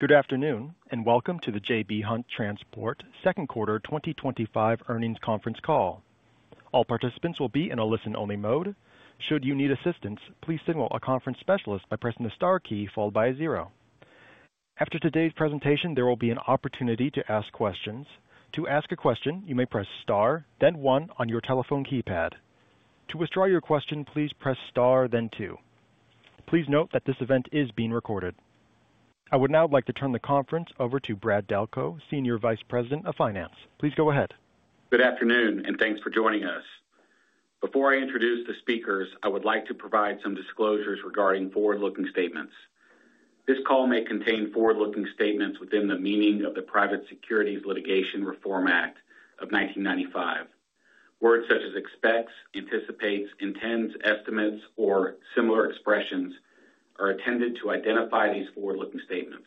Good afternoon, and welcome to the J.B. Hunt Transport Second Quarter 2025 Earnings Conference Call. All participants will be in a listen-only mode. Should you need assistance, please signal a conference specialist by pressing the star key followed by a zero. After today's presentation, there will be an opportunity to ask questions. To ask a question, you may press star, then one on your telephone keypad. To withdraw your question, please press star, then two. Please note that this event is being recorded. I would now like to turn the conference over to Brad Delco, Senior Vice President of Finance. Please go ahead. Good afternoon, and thanks for joining us. Before I introduce the speakers, I would like to provide some disclosures regarding forward-looking statements. This call may contain forward-looking statements within the meaning of the Private Securities Litigation Reform Act of 1995. Words such as expects, anticipates, intends, estimates, or similar expressions are intended to identify these forward-looking statements.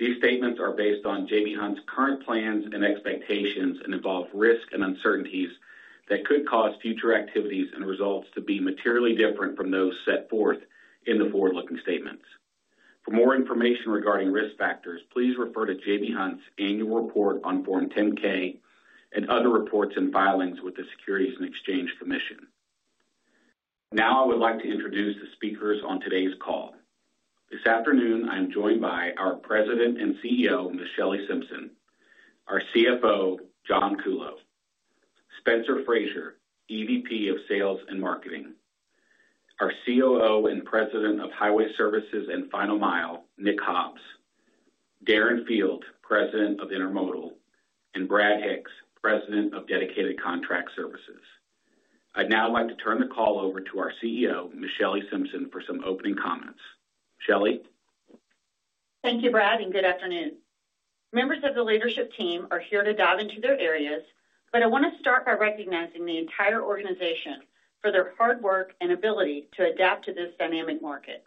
These statements are based on J.B. Hunt's current plans and expectations and involve risk and uncertainties that could cause future activities and results to be materially different from those set forth in the forward-looking statements. For more information regarding risk factors, please refer to J.B. Hunt's annual report on Form 10-K and other reports and filings with the Securities and Exchange Commission. Now, I would like to introduce the speakers on today's call. This afternoon, I am joined by our President and CEO, Shelley Simpson, our CFO, John Kuhlow, Spencer Frazier, EVP of Sales and Marketing, our COO and President of Highway Services and Final Mile, Nick Hobbs, Darren Field, President of Intermodal, and Brad Hicks, President of Dedicated Contract Services. I'd now like to turn the call over to our CEO, Miss Shelley Simpson, for some opening comments. Shelley. Thank you, Brad, and good afternoon. Members of the leadership team are here to dive into their areas, but I want to start by recognizing the entire organization for their hard work and ability to adapt to this dynamic market.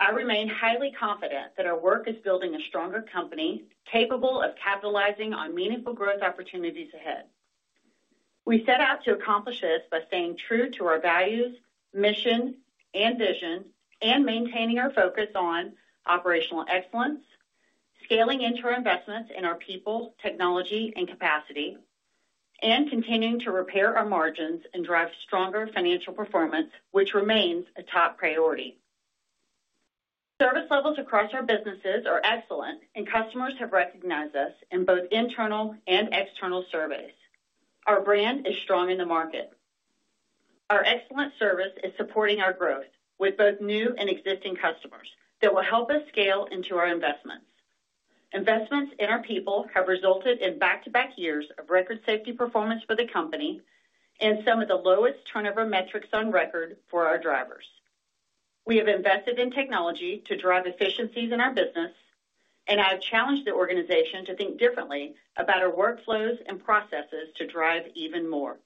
I remain highly confident that our work is building a stronger company capable of capitalizing on meaningful growth opportunities ahead. We set out to accomplish this by staying true to our values, mission, and vision, and maintaining our focus on operational excellence, scaling into our investments in our people, technology, and capacity, and continuing to repair our margins and drive stronger financial performance, which remains a top priority. Service levels across our businesses are excellent, and customers have recognized us in both internal and external service. Our brand is strong in the market. Our excellent service is supporting our growth with both new and existing customers that will help us scale into our investments. Investments in our people have resulted in back-to-back years of record-safety performance for the company. Some of the lowest turnover metrics on record for our drivers. We have invested in technology to drive efficiencies in our business. I have challenged the organization to think differently about our workflows and processes to drive even more.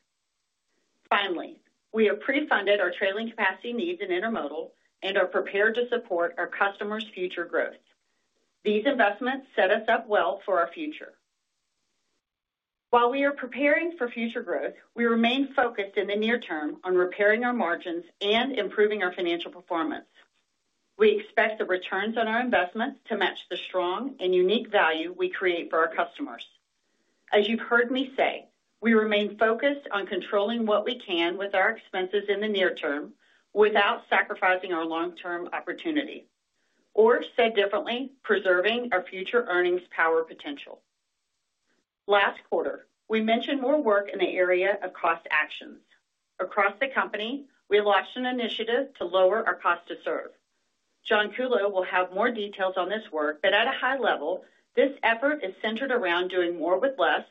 Finally, we have pre-funded our trailing capacity needs in Intermodal and are prepared to support our customers' future growth. These investments set us up well for our future. While we are preparing for future growth, we remain focused in the near term on repairing our margins and improving our financial performance. We expect the returns on our investments to match the strong and unique value we create for our customers. As you've heard me say, we remain focused on controlling what we can with our expenses in the near term without sacrificing our long-term opportunity. Or said differently, preserving our future earnings power potential. Last quarter, we mentioned more work in the area of cost actions. Across the company, we launched an initiative to lower our cost to serve. John Kuhlow will have more details on this work, but at a high level, this effort is centered around doing more with less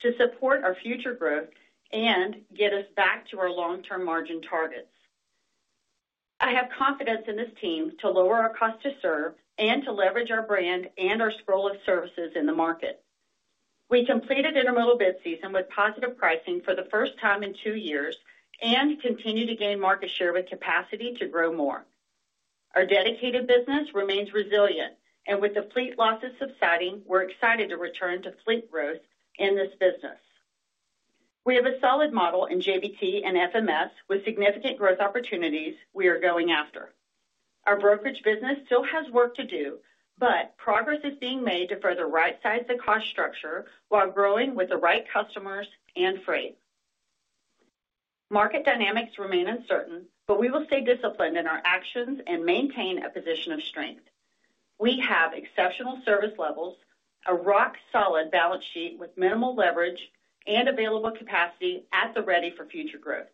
to support our future growth and get us back to our long-term margin targets. I have confidence in this team to lower our cost to serve and to leverage our brand and our scroll of services in the market. We completed Intermodal bid season with positive pricing for the first time in two years and continue to gain market share with capacity to grow more. Our dedicated business remains resilient, and with the fleet losses subsiding, we're excited to return to fleet growth in this business. We have a solid model in JBT and FMS with significant growth opportunities we are going after. Our brokerage business still has work to do, but progress is being made to further right-size the cost structure while growing with the right customers and freight. Market dynamics remain uncertain, but we will stay disciplined in our actions and maintain a position of strength. We have exceptional service levels, a rock-solid balance sheet with minimal leverage, and available capacity at the ready for future growth.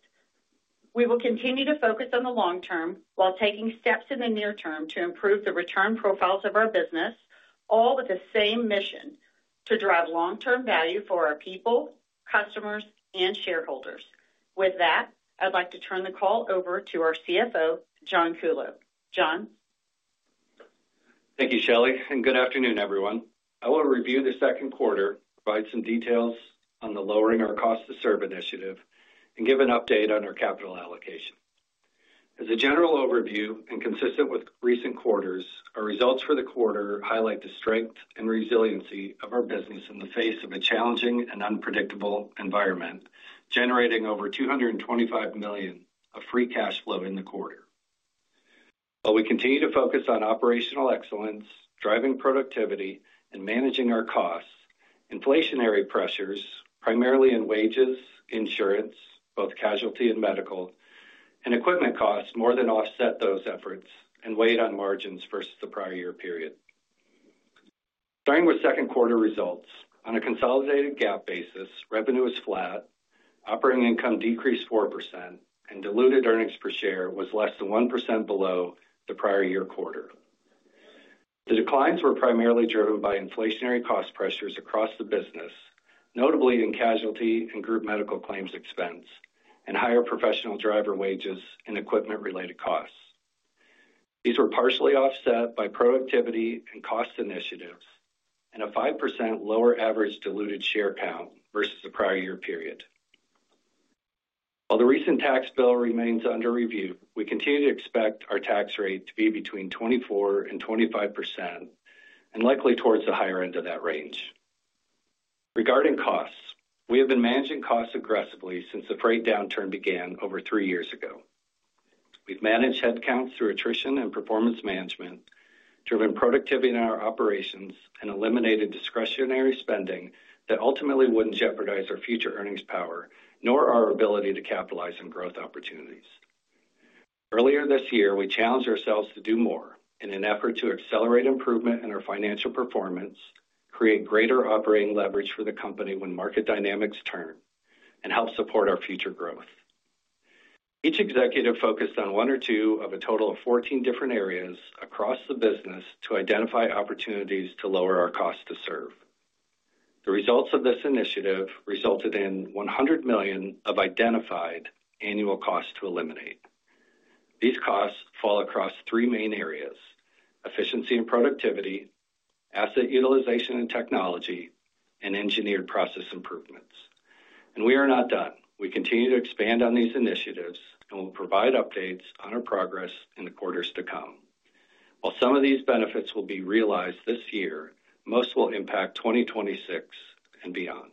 We will continue to focus on the long term while taking steps in the near term to improve the return profiles of our business. All with the same mission: to drive long-term value for our people, customers, and shareholders. With that, I'd like to turn the call over to our CFO, John Kuhlow. John. Thank you, Shelley. And good afternoon, everyone. I want to review the second quarter, provide some details on the lowering our cost to serve initiative, and give an update on our capital allocation. As a general overview and consistent with recent quarters, our results for the quarter highlight the strength and resiliency of our business in the face of a challenging and unpredictable environment, generating over $225 million of free cash flow in the quarter. While we continue to focus on operational excellence, driving productivity, and managing our costs, inflationary pressures, primarily in wages, insurance, both casualty and medical, and equipment costs more than offset those efforts and weighed on margins versus the prior year period. Starting with second quarter results, on a consolidated GAAP basis, revenue was flat, operating income decreased 4%, and diluted earnings per share was less than 1% below the prior year quarter. The declines were primarily driven by inflationary cost pressures across the business, notably in casualty and group medical claims expense, and higher professional driver wages and equipment-related costs. These were partially offset by productivity and cost initiatives and a 5% lower average diluted share count versus the prior year period. While the recent tax bill remains under review, we continue to expect our tax rate to be between 24% and 25%, and likely towards the higher end of that range. Regarding costs, we have been managing costs aggressively since the freight downturn began over three years ago. We've managed headcounts through attrition and performance management, driven productivity in our operations, and eliminated discretionary spending that ultimately would not jeopardize our future earnings power nor our ability to capitalize on growth opportunities. Earlier this year, we challenged ourselves to do more in an effort to accelerate improvement in our financial performance, create greater operating leverage for the company when market dynamics turn, and help support our future growth. Each executive focused on one or two of a total of 14 different areas across the business to identify opportunities to lower our cost to serve. The results of this initiative resulted in $100 million of identified annual costs to eliminate. These costs fall across three main areas: efficiency and productivity, asset utilization and technology, and engineered process improvements. We are not done. We continue to expand on these initiatives and will provide updates on our progress in the quarters to come. While some of these benefits will be realized this year, most will impact 2026 and beyond.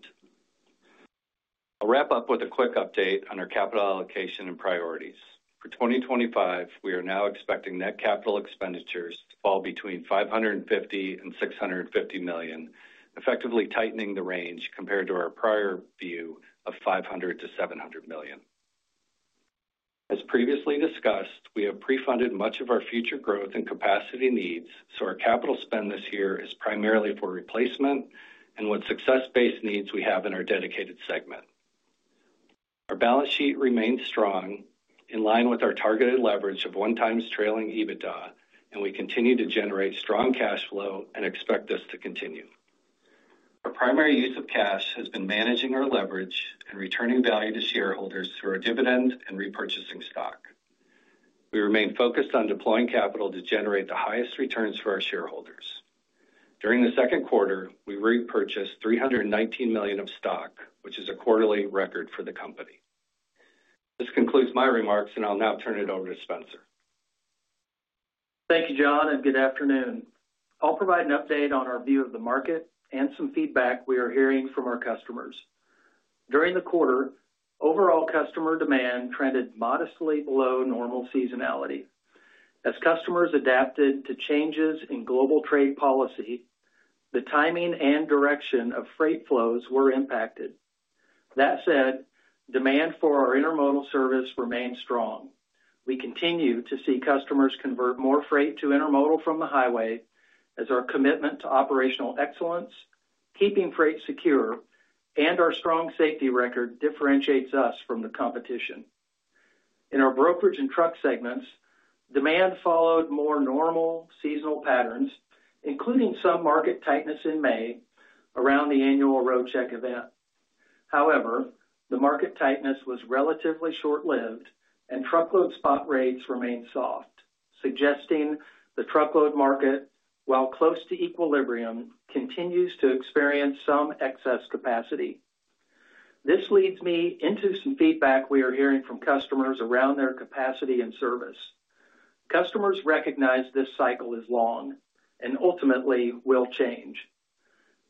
I'll wrap up with a quick update on our capital allocation and priorities. For 2025, we are now expecting net capital expenditures to fall between $550 million and $650 million, effectively tightening the range compared to our prior view of $500 million- $700 million. As previously discussed, we have pre-funded much of our future growth and capacity needs, so our capital spend this year is primarily for replacement and what success-based needs we have in our dedicated segment. Our balance sheet remains strong, in line with our targeted leverage of one-time trailing EBITDA, and we continue to generate strong cash flow and expect this to continue. Our primary use of cash has been managing our leverage and returning value to shareholders through our dividend and repurchasing stock. We remain focused on deploying capital to generate the highest returns for our shareholders. During the second quarter, we repurchased $319 million of stock, which is a quarterly record for the company. This concludes my remarks, and I'll now turn it over to Spencer. Thank you, John, and good afternoon. I'll provide an update on our view of the market and some feedback we are hearing from our customers. During the quarter, overall customer demand trended modestly below normal seasonality. As customers adapted to changes in global trade policy, the timing and direction of freight flows were impacted. That said, demand for our Intermodal service remains strong. We continue to see customers convert more freight to Intermodal from the Highway, as our commitment to operational excellence, keeping freight secure, and our strong safety record differentiates us from the competition. In our brokerage and truck segments, demand followed more normal seasonal patterns, including some market tightness in May around the annual road check event. However, the market tightness was relatively short-lived, and truckload spot rates remained soft, suggesting the truckload market, while close to equilibrium, continues to experience some excess capacity. This leads me into some feedback we are hearing from customers around their capacity and service. Customers recognize this cycle is long and ultimately will change.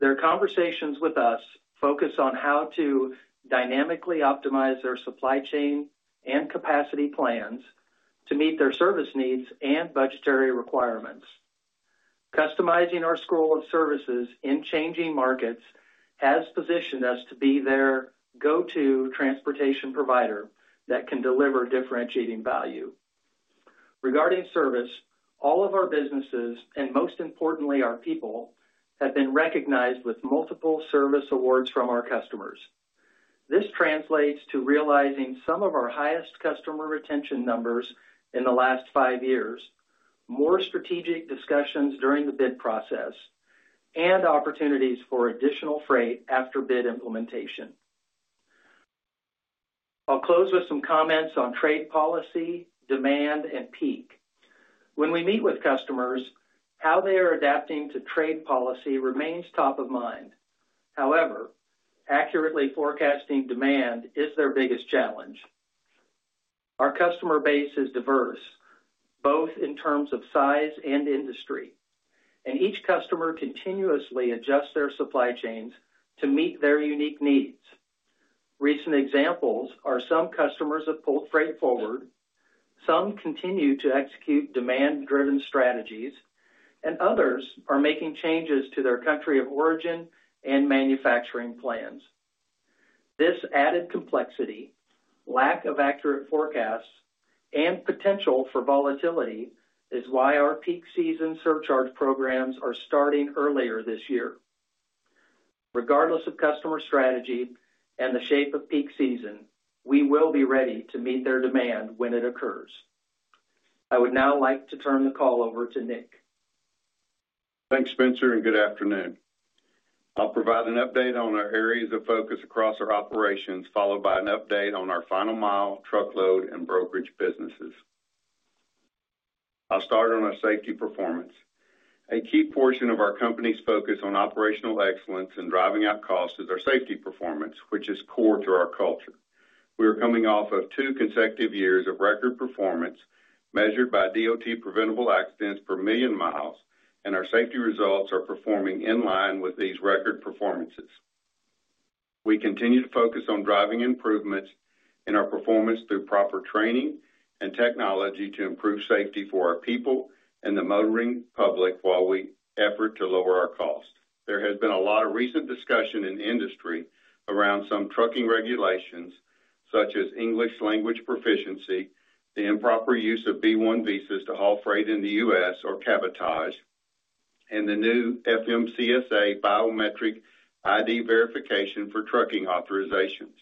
Their conversations with us focus on how to dynamically optimize their supply chain and capacity plans to meet their service needs and budgetary requirements. Customizing our scroll of services in changing markets has positioned us to be their go-to transportation provider that can deliver differentiating value. Regarding service, all of our businesses and most importantly, our people have been recognized with multiple service awards from our customers. This translates to realizing some of our highest customer retention numbers in the last five years, more strategic discussions during the bid process. Opportunities for additional freight after bid implementation. I'll close with some comments on trade policy, demand, and peak. When we meet with customers, how they are adapting to trade policy remains top of mind. However, accurately forecasting demand is their biggest challenge. Our customer base is diverse, both in terms of size and industry, and each customer continuously adjusts their supply chains to meet their unique needs. Recent examples are some customers have pulled freight forward. Some continue to execute demand-driven strategies, and others are making changes to their country of origin and manufacturing plans. This added complexity, lack of accurate forecasts, and potential for volatility is why our Peak Season Surcharge programs are starting earlier this year. Regardless of customer strategy and the shape of peak season, we will be ready to meet their demand when it occurs. I would now like to turn the call over to Nick. Thanks, Spencer, and good afternoon. I'll provide an update on our areas of focus across our operations, followed by an update on our Final Mile, Truckload, and Brokerage businesses. I'll start on our safety performance. A key portion of our company's focus on operational excellence and driving out costs is our safety performance, which is core to our culture. We are coming off of two consecutive years of record performance measured by DOT preventable accidents per million miles, and our safety results are performing in line with these record performances. We continue to focus on driving improvements in our performance through proper training and technology to improve safety for our people and the motoring public while we effort to lower our costs. There has been a lot of recent discussion in industry around some trucking regulations such as English language proficiency, the improper use of B-1 visas to haul freight in the U.S., or cabotage, and the new FMCSA biometric ID verification for trucking authorizations.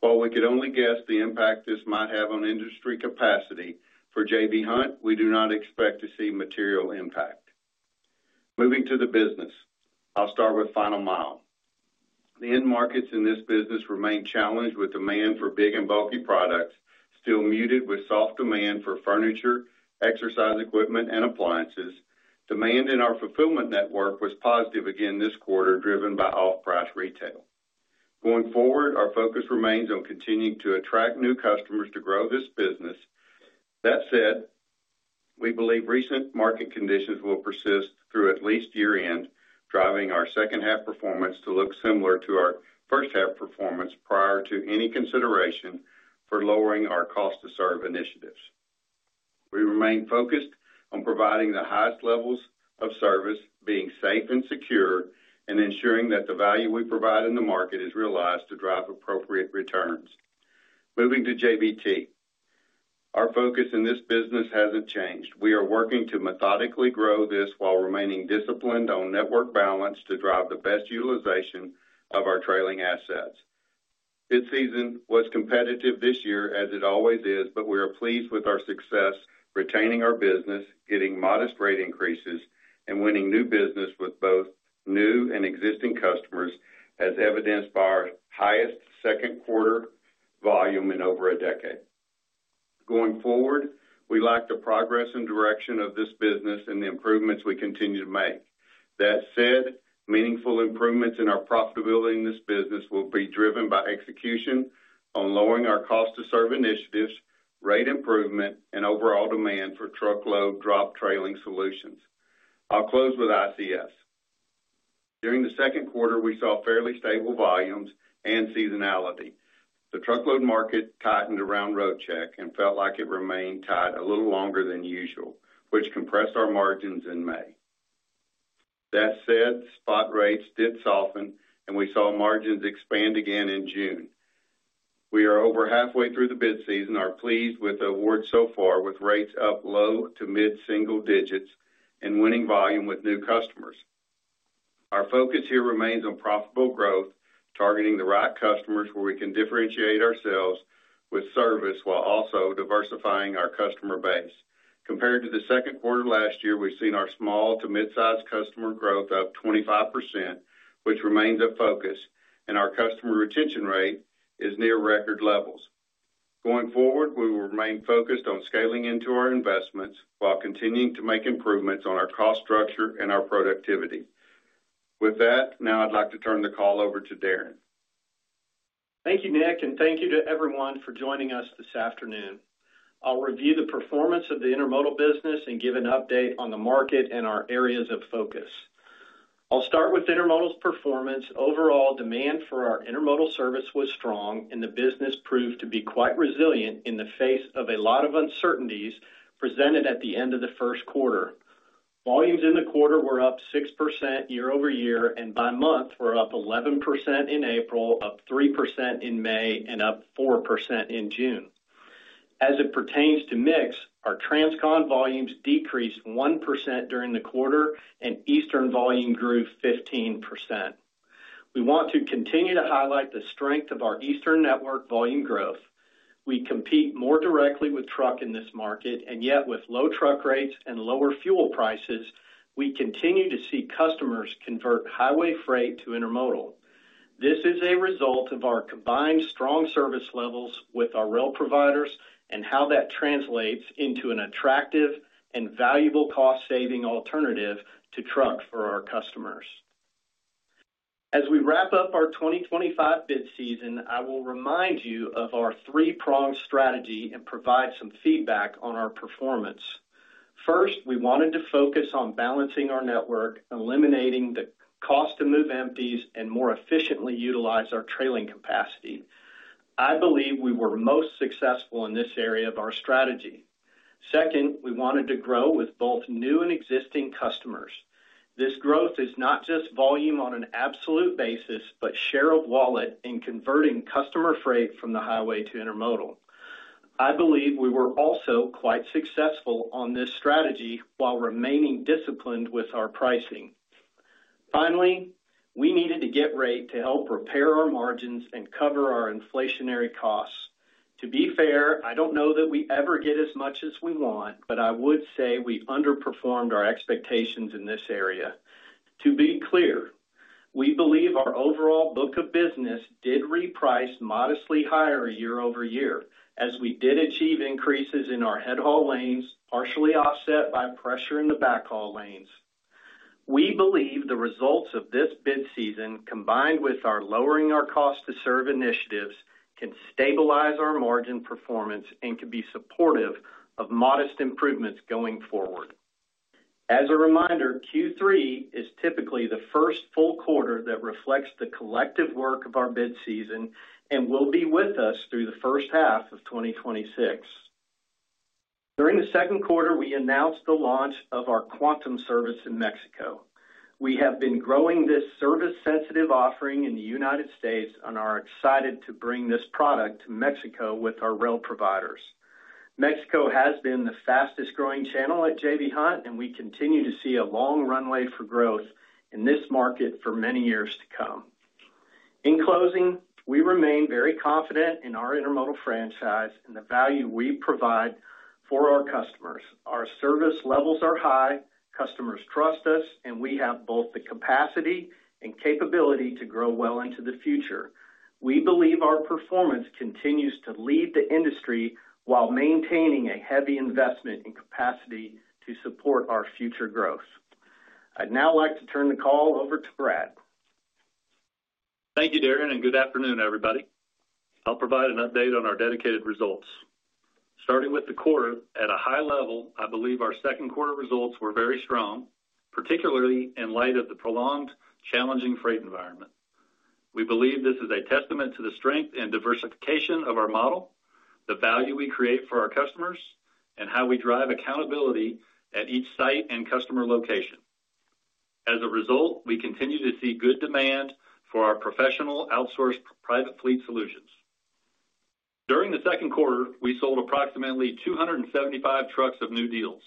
While we could only guess the impact this might have on industry capacity for J.B. Hunt, we do not expect to see material impact. Moving to the business, I'll start with Final Mile. The end markets in this business remain challenged with demand for big and bulky products still muted with soft demand for furniture, exercise equipment, and appliances. Demand in our fulfillment network was positive again this quarter, driven by off-price retail. Going forward, our focus remains on continuing to attract new customers to grow this business. That said, we believe recent market conditions will persist through at least year-end, driving our second-half performance to look similar to our first-half performance prior to any consideration for lowering our cost-to-serve initiatives. We remain focused on providing the highest levels of service, being safe and secure, and ensuring that the value we provide in the market is realized to drive appropriate returns. Moving to JBT. Our focus in this business hasn't changed. We are working to methodically grow this while remaining disciplined on network balance to drive the best utilization of our trailing assets. Bid season was competitive this year, as it always is, but we are pleased with our success retaining our business, getting modest rate increases, and winning new business with both new and existing customers, as evidenced by our highest second-quarter volume in over a decade. Going forward, we like the progress and direction of this business and the improvements we continue to make. That said, meaningful improvements in our profitability in this business will be driven by execution on lowering our cost-to-serve initiatives, rate improvement, and overall demand for truckload drop trailing solutions. I'll close with ICS. During the second quarter, we saw fairly stable volumes and seasonality. The truckload market tightened around road check and felt like it remained tight a little longer than usual, which compressed our margins in May. That said, spot rates did soften, and we saw margins expand again in June. We are over halfway through the bid season, are pleased with awards so far, with rates up low to mid-single digits, and winning volume with new customers. Our focus here remains on profitable growth, targeting the right customers where we can differentiate ourselves with service while also diversifying our customer base. Compared to the second quarter last year, we've seen our small to mid-size customer growth of 25%, which remains a focus, and our customer retention rate is near record levels. Going forward, we will remain focused on scaling into our investments while continuing to make improvements on our cost structure and our productivity. With that, now I'd like to turn the call over to Darren. Thank you, Nick, and thank you to everyone for joining us this afternoon. I'll review the performance of the Intermodal business and give an update on the market and our areas of focus. I'll start with Intermodal's performance. Overall demand for our Intermodal service was strong, and the business proved to be quite resilient in the face of a lot of uncertainties presented at the end of the first quarter. Volumes in the quarter were up 6% year-over-year, and by month, were up 11% in April, up 3% in May, and up 4% in June. As it pertains to mix, our Transcon volumes decreased 1% during the quarter, and Eastern volume grew 15%. We want to continue to highlight the strength of our Eastern network volume growth. We compete more directly with truck in this market, and yet with low truck rates and lower fuel prices, we continue to see customers convert Highway freight to Intermodal. This is a result of our combined strong service levels with our rail providers and how that translates into an attractive and valuable cost-saving alternative to truck for our customers. As we wrap up our 2025 bid season, I will remind you of our three-pronged strategy and provide some feedback on our performance. First, we wanted to focus on balancing our network, eliminating the cost to move empties, and more efficiently utilize our trailing capacity. I believe we were most successful in this area of our strategy. Second, we wanted to grow with both new and existing customers. This growth is not just volume on an absolute basis, but share of wallet in converting customer freight from the Highway to Intermodal. I believe we were also quite successful on this strategy while remaining disciplined with our pricing. Finally, we needed a get rate to help repair our margins and cover our inflationary costs. To be fair, I do not know that we ever get as much as we want, but I would say we underperformed our expectations in this area. To be clear, we believe our overall book of business did reprice modestly higher year-over-year, as we did achieve increases in our headhaul lanes, partially offset by pressure in the backhaul lanes. We believe the results of this bid season, combined with our lowering our cost-to-serve initiatives, can stabilize our margin performance and can be supportive of modest improvements going forward. As a reminder, Q3 is typically the first full quarter that reflects the collective work of our bid season and will be with us through the first half of 2026. During the second quarter, we announced the launch of our Quantum service in Mexico. We have been growing this service-sensitive offering in the United States, and are excited to bring this product to Mexico with our rail providers. Mexico has been the fastest-growing channel at J.B. Hunt, and we continue to see a long runway for growth in this market for many years to come. In closing, we remain very confident in our Intermodal franchise and the value we provide for our customers. Our service levels are high, customers trust us, and we have both the capacity and capability to grow well into the future. We believe our performance continues to lead the industry while maintaining a heavy investment in capacity to support our future growth. I'd now like to turn the call over to Brad. Thank you, Darren, and good afternoon, everybody. I'll provide an update on our dedicated results. Starting with the quarter, at a high level, I believe our second quarter results were very strong, particularly in light of the prolonged, challenging freight environment. We believe this is a testament to the strength and diversification of our model, the value we create for our customers, and how we drive accountability at each site and customer location. As a result, we continue to see good demand for our professional outsourced private fleet solutions. During the second quarter, we sold approximately 275 trucks of new deals.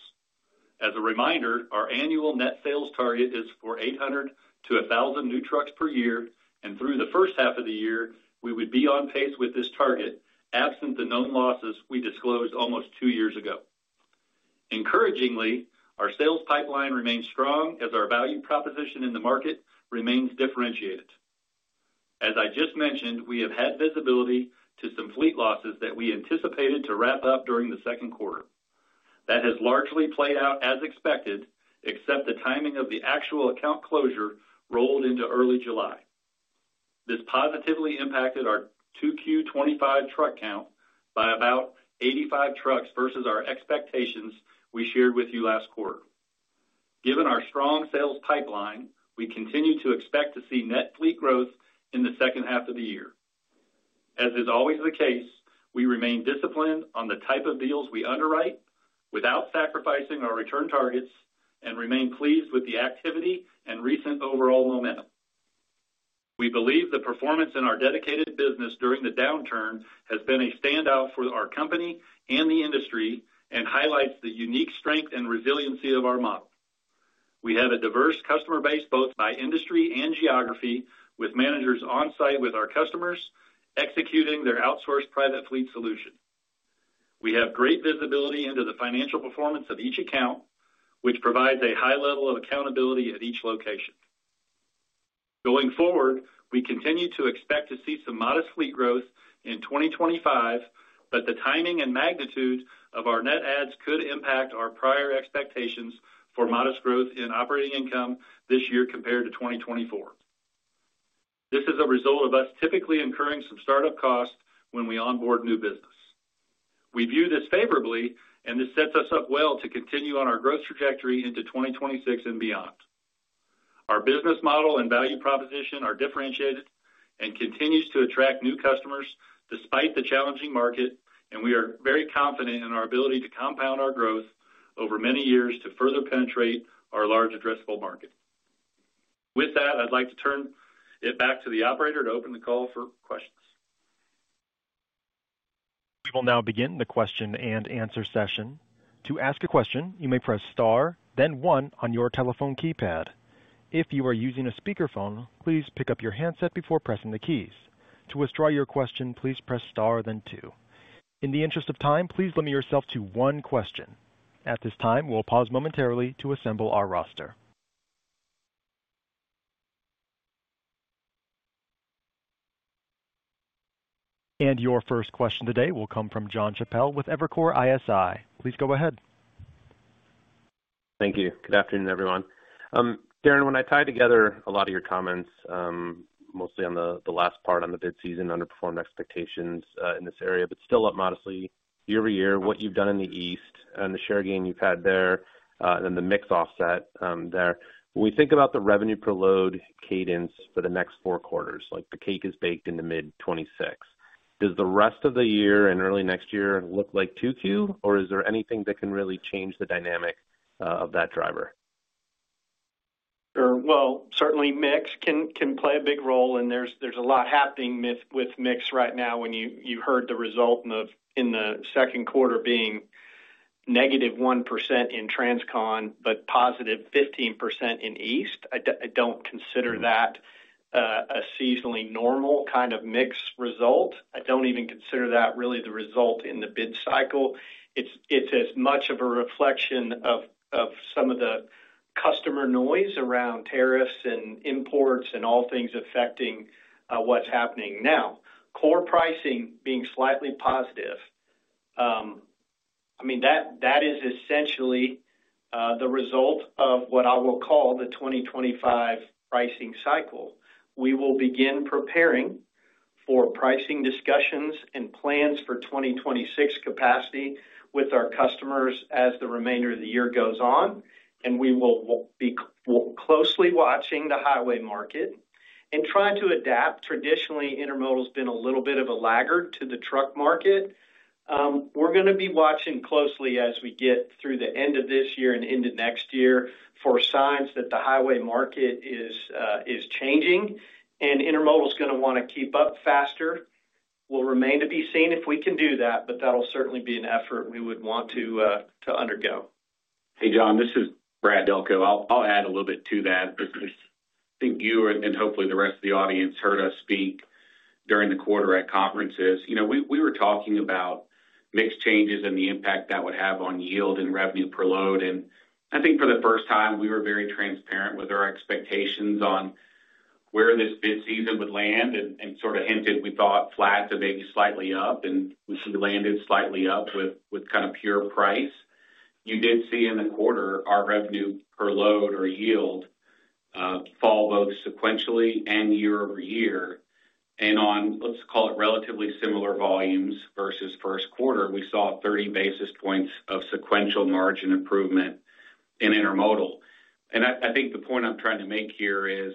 As a reminder, our annual net sales target is for 800-1,000 new trucks per year, and through the first half of the year, we would be on pace with this target, absent the known losses we disclosed almost two years ago. Encouragingly, our sales pipeline remains strong as our value proposition in the market remains differentiated. As I just mentioned, we have had visibility to some fleet losses that we anticipated to wrap up during the second quarter. That has largely played out as expected, except the timing of the actual account closure rolled into early July. This positively impacted our 2Q 2025 truck count by about 85 trucks versus our expectations we shared with you last quarter. Given our strong sales pipeline, we continue to expect to see net fleet growth in the second half of the year. As is always the case, we remain disciplined on the type of deals we underwrite without sacrificing our return targets and remain pleased with the activity and recent overall momentum. We believe the performance in our dedicated business during the downturn has been a standout for our company and the industry and highlights the unique strength and resiliency of our model. We have a diverse customer base both by industry and geography, with managers on site with our customers executing their outsourced private fleet solution. We have great visibility into the financial performance of each account, which provides a high level of accountability at each location. Going forward, we continue to expect to see some modest fleet growth in 2025, but the timing and magnitude of our net adds could impact our prior expectations for modest growth in operating income this year compared to 2024. This is a result of us typically incurring some startup costs when we onboard new business. We view this favorably, and this sets us up well to continue on our growth trajectory into 2026 and beyond. Our business model and value proposition are differentiated and continue to attract new customers despite the challenging market, and we are very confident in our ability to compound our growth over many years to further penetrate our large addressable market. With that, I'd like to turn it back to the operator to open the call for questions. We will now begin the question and answer session. To ask a question, you may press star, then one on your telephone keypad. If you are using a speakerphone, please pick up your handset before pressing the keys. To withdraw your question, please press star, then two. In the interest of time, please limit yourself to one question. At this time, we will pause momentarily to assemble our roster. Your first question today will come from Jon Chappell with Evercore ISI. Please go ahead. Thank you. Good afternoon, everyone. Darren, when I tie together a lot of your comments, mostly on the last part on the bid season, underperformed expectations in this area, but still up modestly year-over-year, what you've done in the East and the share gain you've had there and then the mix offset there, when we think about the revenue per load cadence for the next four quarters, like the cake is baked in the mid-26, does the rest of the year and early next year look like 2Q, or is there anything that can really change the dynamic of that driver? Sure. Certainly mix can play a big role, and there's a lot happening with mix right now when you heard the result in the second quarter being -1% in Transcon but +15% in East. I don't consider that a seasonally normal kind of mix result. I don't even consider that really the result in the bid cycle. It's as much of a reflection of some of the customer noise around tariffs and imports and all things affecting what's happening now. Core pricing being slightly positive. I mean, that is essentially the result of what I will call the 2025 pricing cycle. We will begin preparing for pricing discussions and plans for 2026 capacity with our customers as the remainder of the year goes on, and we will be closely watching the highway market and trying to adapt. Traditionally, Intermodal has been a little bit of a laggard to the truck market. We're going to be watching closely as we get through the end of this year and into next year for signs that the highway market is changing, and Intermodal is going to want to keep up faster. It will remain to be seen if we can do that, but that will certainly be an effort we would want to undergo. Hey, Jon, this is Brad Delco. I'll add a little bit to that. I think you and hopefully the rest of the audience heard us speak during the quarter at conferences. We were talking about mixed changes and the impact that would have on yield and revenue per load. I think for the first time, we were very transparent with our expectations on where this bid season would land and sort of hinted we thought flat to maybe slightly up, and we landed slightly up with kind of pure price. You did see in the quarter our revenue per load or yield fall both sequentially and year-over-year. On, let's call it, relatively similar volumes versus first quarter, we saw 30 basis points of sequential margin improvement in Intermodal. I think the point I'm trying to make here is.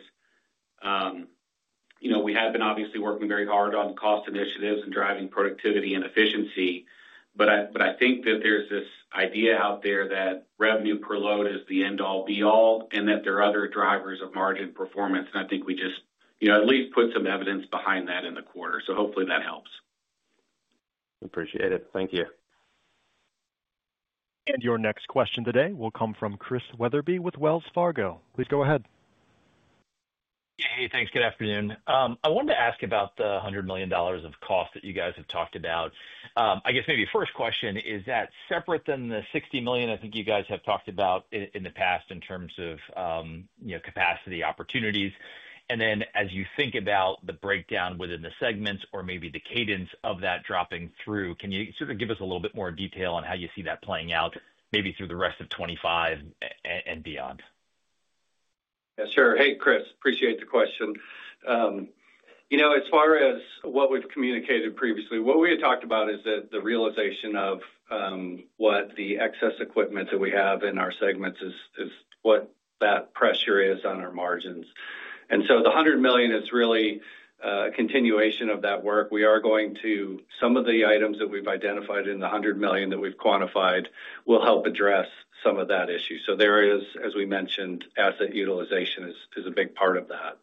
We have been obviously working very hard on cost initiatives and driving productivity and efficiency, but I think that there's this idea out there that revenue per load is the end-all, be-all, and that there are other drivers of margin performance. I think we just at least put some evidence behind that in the quarter. Hopefully that helps. Appreciate it. Thank you. Your next question today will come from Chris Wetherbee with Wells Fargo. Please go ahead. Hey, thanks. Good afternoon. I wanted to ask about the $100 million of cost that you guys have talked about. I guess maybe first question, is that separate than the $60 million I think you guys have talked about in the past in terms of capacity opportunities? As you think about the breakdown within the segments or maybe the cadence of that dropping through, can you sort of give us a little bit more detail on how you see that playing out maybe through the rest of 2025 and beyond? Yes, sir. Hey, Chris, appreciate the question. As far as what we've communicated previously, what we had talked about is that the realization of what the excess equipment that we have in our segments is what that pressure is on our margins. The $100 million is really a continuation of that work. We are going to some of the items that we've identified in the $100 million that we've quantified will help address some of that issue. There is, as we mentioned, asset utilization is a big part of that.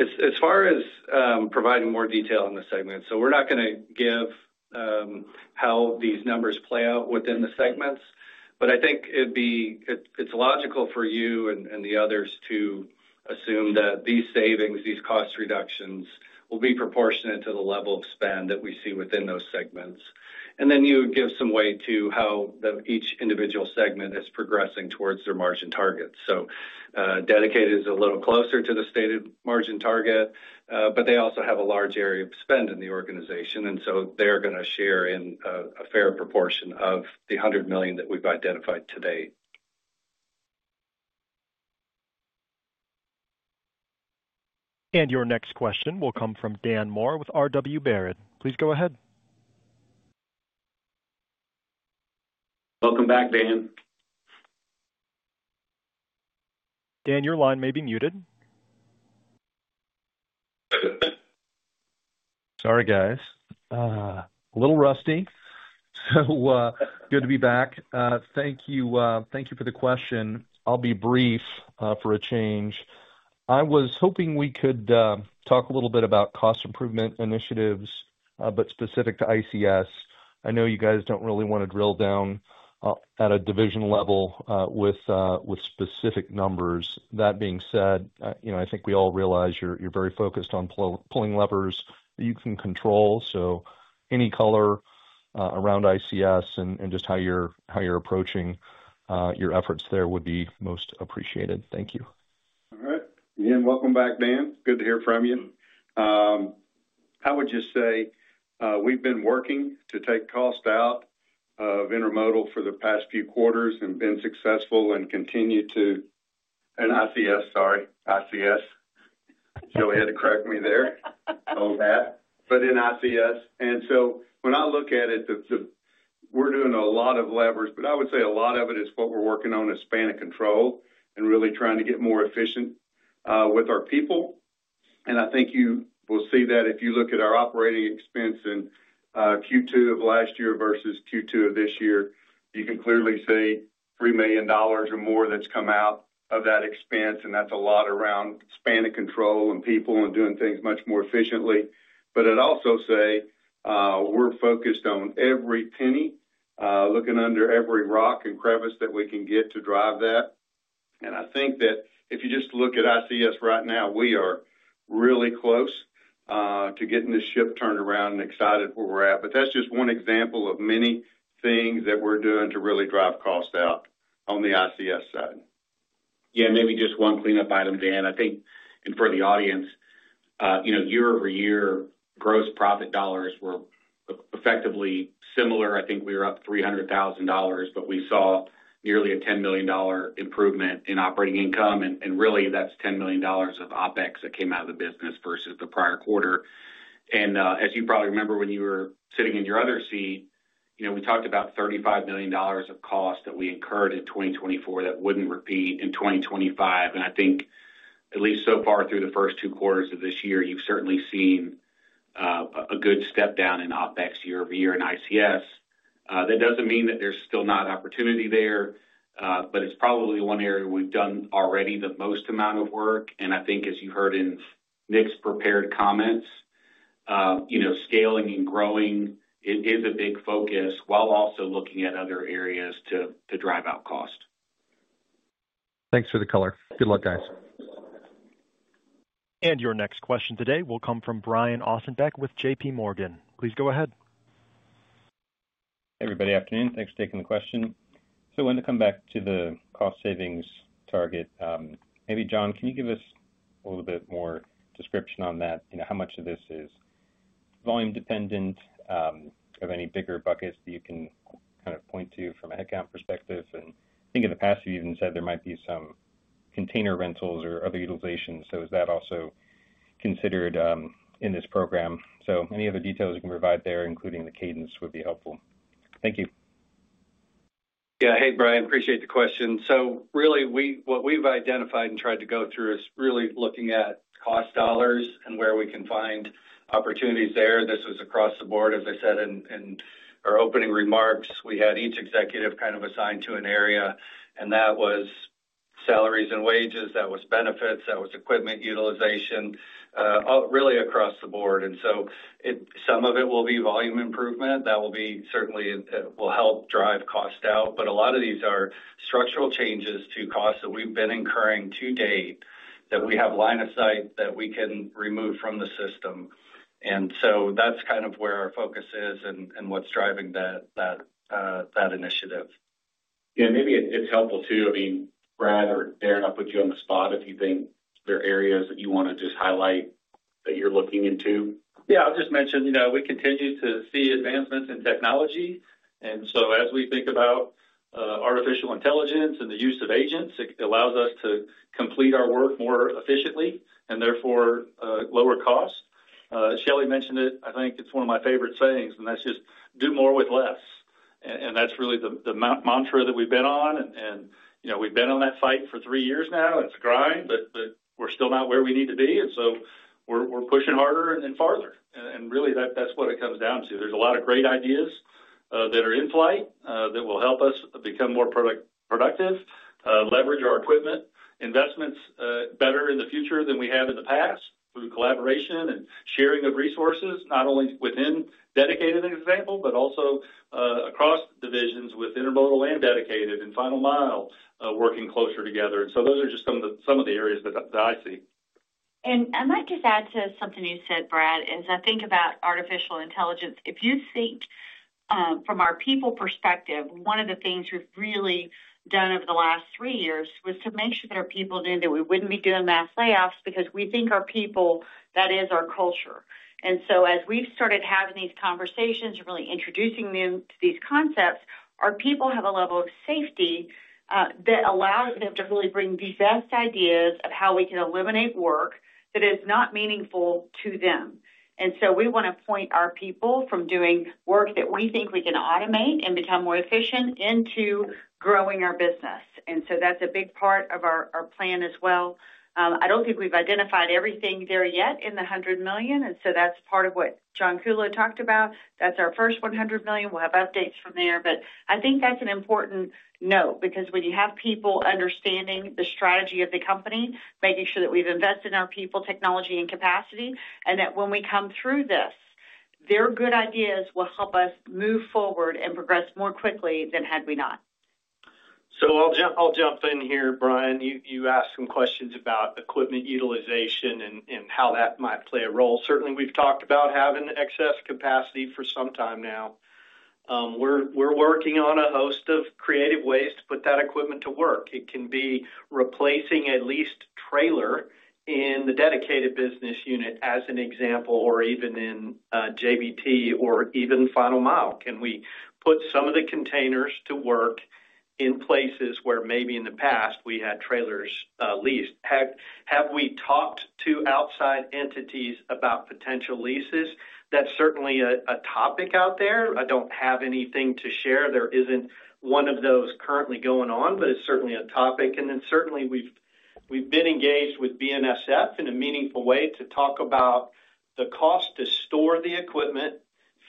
As far as providing more detail on the segments, we're not going to give how these numbers play out within the segments, but I think it's logical for you and the others to assume that these savings, these cost reductions will be proportionate to the level of spend that we see within those segments. You would give some weight to how each individual segment is progressing towards their margin targets. Dedicated is a little closer to the stated margin target, but they also have a large area of spend in the organization, and so they're going to share in a fair proportion of the $100 million that we've identified today. Your next question will come from Dan Moore with RW Baird. Please go ahead. Welcome back, Dan. Dan, your line may be muted. Sorry, guys. A little rusty. So good to be back. Thank you for the question. I'll be brief for a change. I was hoping we could talk a little bit about cost improvement initiatives, but specific to ICS. I know you guys do not really want to drill down at a division level with specific numbers. That being said, I think we all realize you are very focused on pulling levers that you can control. So any color around ICS and just how you are approaching your efforts there would be most appreciated. Thank you. All right. Again, welcome back, Dan. Good to hear from you. I would just say we have been working to take cost out of Intermodal for the past few quarters and been successful and continue to. In ICS, sorry, ICS. Joey had to correct me there. All that, but in ICS. When I look at it, we are doing a lot of levers, but I would say a lot of it is what we are working on is span of control and really trying to get more efficient with our people. I think you will see that if you look at our operating expense in Q2 of last year versus Q2 of this year, you can clearly see $3 million or more that has come out of that expense. That is a lot around span of control and people and doing things much more efficiently. It also says. We're focused on every penny, looking under every rock and crevice that we can get to drive that. I think that if you just look at ICS right now, we are really close to getting this ship turned around and excited where we're at. That's just one example of many things that we're doing to really drive cost out on the ICS side. Yeah, maybe just one cleanup item, Dan. I think for the audience, year-over-year, gross profit dollars were effectively similar. I think we were up $300,000, but we saw nearly a $10 million improvement in operating income. Really, that's $10 million of OpEx that came out of the business versus the prior quarter. As you probably remember, when you were sitting in your other seat, we talked about $35 million of cost that we incurred in 2024 that would not repeat in 2025. I think at least so far through the first two quarters of this year, you've certainly seen a good step down in OpEx year-over-year in ICS. That doesn't mean that there's still not opportunity there, but it's probably one area we've done already the most amount of work. I think, as you heard in Nick's prepared comments, scaling and growing is a big focus while also looking at other areas to drive out cost. Thanks for the color. Good luck, guys. Your next question today will come from Brian Ossenbeck with JPMorgan. Please go ahead. Hey, everybody. Afternoon. Thanks for taking the question. I wanted to come back to the cost savings target. Maybe, John, can you give us a little bit more description on that? How much of this is volume dependent? Of any bigger buckets that you can kind of point to from a headcount perspective? I think in the past, you even said there might be some container rentals or other utilization. Is that also considered in this program? Any other details you can provide there, including the cadence, would be helpful. Thank you. Yeah. Hey, Brian. Appreciate the question. Really, what we've identified and tried to go through is really looking at cost dollars and where we can find opportunities there. This was across the board, as I said in our opening remarks. We had each executive kind of assigned to an area, and that was salaries and wages. That was benefits. That was equipment utilization. Really across the board. Some of it will be volume improvement. That will certainly help drive cost out. A lot of these are structural changes to costs that we've been incurring to date that we have line of sight that we can remove from the system. That's kind of where our focus is and what's driving that initiative. Yeah. Maybe it's helpful too. I mean, Brad or Darren, I'll put you on the spot if you think there are areas that you want to just highlight that you're looking into. Yeah. I'll just mention we continue to see advancements in technology. And so as we think about Artificial Intelligence and the use of agents, it allows us to complete our work more efficiently and therefore lower cost. Shelley mentioned it. I think it's one of my favorite sayings, and that's just do more with less. That's really the mantra that we've been on. We've been on that fight for three years now. It's a grind, but we're still not where we need to be. We're pushing harder and farther. That's what it comes down to. There's a lot of great ideas that are in flight that will help us become more productive, leverage our equipment investments better in the future than we have in the past through collaboration and sharing of resources, not only within dedicated, as an example, but also. Across divisions with Intermodal and Dedicated and Final Mile working closer together. Those are just some of the areas that I see. I might just add to something you said, Brad, as I think about Artificial Intelligence. If you think from our people perspective, one of the things we've really done over the last three years was to make sure that our people knew that we wouldn't be doing mass layoffs because we think our people, that is our culture. As we've started having these conversations and really introducing them to these concepts, our people have a level of safety that allows them to really bring the best ideas of how we can eliminate work that is not meaningful to them. We want to point our people from doing work that we think we can automate and become more efficient into growing our business. That's a big part of our plan as well. I don't think we've identified everything there yet in the $100 million. That is part of what John Kuhlow talked about. That is our first $100 million. We will have updates from there. I think that is an important note because when you have people understanding the strategy of the company, making sure that we have invested in our people, technology, and capacity, and that when we come through this, their good ideas will help us move forward and progress more quickly than had we not. I'll jump in here, Brian. You asked some questions about equipment utilization and how that might play a role. Certainly, we've talked about having excess capacity for some time now. We're working on a host of creative ways to put that equipment to work. It can be replacing at least trailer in the dedicated business unit, as an example, or even in JBT or even Final Mile. Can we put some of the containers to work in places where maybe in the past we had trailers leased? Have we talked to outside entities about potential leases? That's certainly a topic out there. I don't have anything to share. There isn't one of those currently going on, but it's certainly a topic. Certainly, we've been engaged with BNSF in a meaningful way to talk about the cost to store the equipment.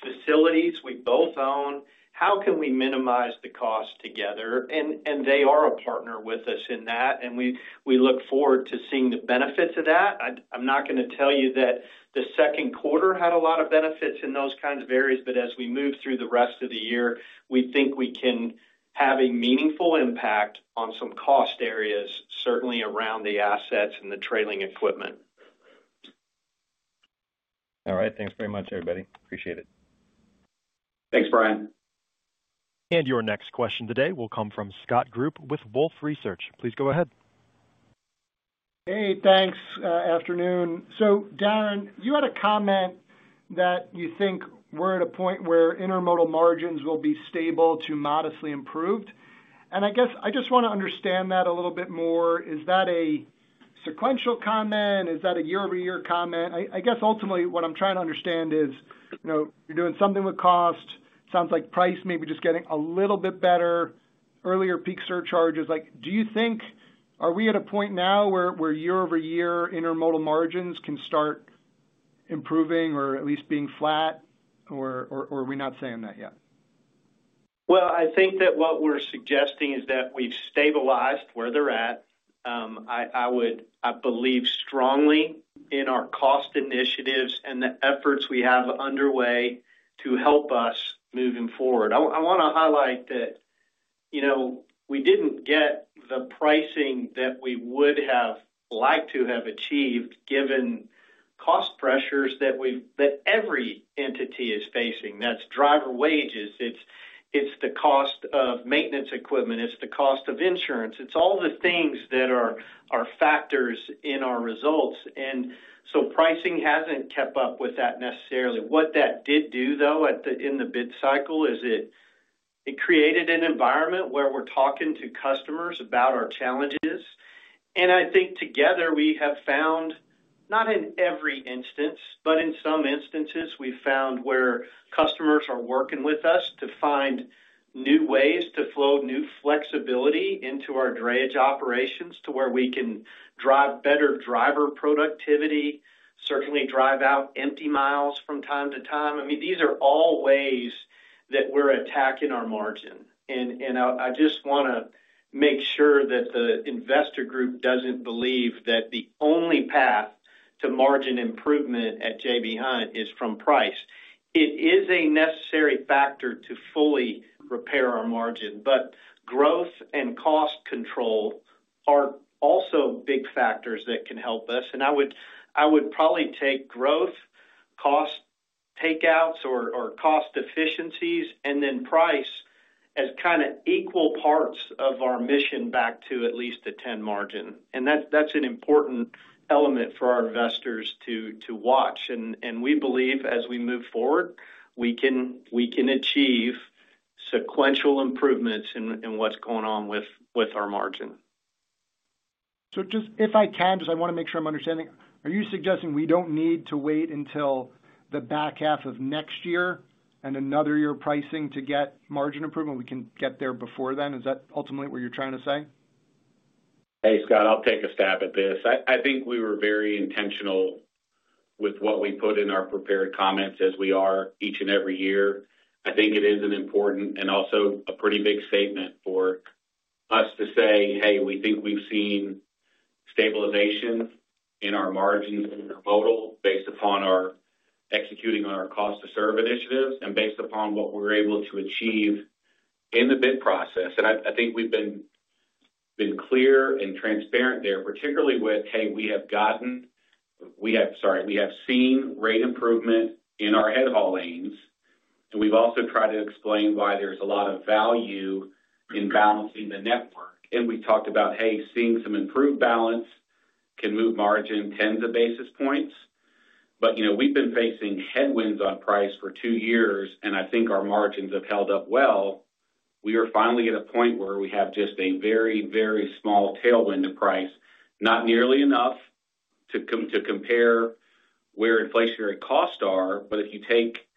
Facilities we both own. How can we minimize the cost together? They are a partner with us in that. We look forward to seeing the benefits of that. I'm not going to tell you that the second quarter had a lot of benefits in those kinds of areas, but as we move through the rest of the year, we think we can have a meaningful impact on some cost areas, certainly around the assets and the trailing equipment. All right. Thanks very much, everybody. Appreciate it. Thanks, Brian. Your next question today will come from Scott Group with Wolfe Research. Please go ahead. Hey, thanks. Afternoon. Darren, you had a comment that you think we're at a point where Intermodal margins will be stable to modestly improved. I guess I just want to understand that a little bit more. Is that a sequential comment? Is that a year-over-year comment? I guess ultimately, what I'm trying to understand is, you're doing something with cost. Sounds like price may be just getting a little bit better. Earlier peak surcharges. Do you think, are we at a point now where year-over-year Intermodal margins can start improving or at least being flat, or are we not saying that yet? I think that what we're suggesting is that we've stabilized where they're at. I believe strongly in our cost initiatives and the efforts we have underway to help us moving forward. I want to highlight that. We didn't get the pricing that we would have liked to have achieved given cost pressures that every entity is facing. That's driver wages. It's the cost of maintenance equipment. It's the cost of insurance. It's all the things that are factors in our results. Pricing hasn't kept up with that necessarily. What that did do, though, in the bid cycle is it created an environment where we're talking to customers about our challenges. I think together, we have found. Not in every instance, but in some instances, we've found where customers are working with us to find new ways to flow new flexibility into our drayage operations to where we can drive better driver productivity, certainly drive out empty miles from time to time. I mean, these are all ways that we're attacking our margin. I just want to make sure that the investor group doesn't believe that the only path to margin improvement at J.B. Hunt is from price. It is a necessary factor to fully repair our margin, but growth and cost control are also big factors that can help us. I would probably take growth, cost takeouts, or cost efficiencies, and then price as kind of equal parts of our mission back to at least a 10% margin. That is an important element for our investors to watch. We believe, as we move forward, we can achieve sequential improvements in what's going on with our margin. Just if I can, because I want to make sure I'm understanding, are you suggesting we don't need to wait until the back half of next year and another year of pricing to get margin improvement? We can get there before then. Is that ultimately what you're trying to say? Hey, Scott, I'll take a stab at this. I think we were very intentional with what we put in our prepared comments, as we are each and every year. I think it is an important and also a pretty big statement for us to say, "Hey, we think we've seen stabilization in our margins in Intermodal based upon our executing on our cost-to-serve initiatives and based upon what we're able to achieve in the bid process." I think we've been clear and transparent there, particularly with, "Hey, we have seen rate improvement in our headhaul lanes." We have also tried to explain why there's a lot of value in balancing the network. We talked about, "Hey, seeing some improved balance can move margin tens of basis points." We have been facing headwinds on price for two years, and I think our margins have held up well. We are finally at a point where we have just a very, very small tailwind to price, not nearly enough to compare where inflationary costs are. If you take